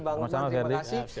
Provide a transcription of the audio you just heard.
selamat malam gerdy